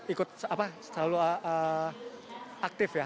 ikut selalu aktif ya